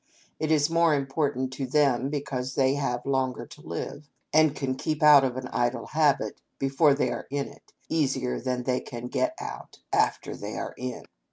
It is more important to them because they have longer to live, and can keep out of an idle habit, before they are in it, easier than they can get out after they are in.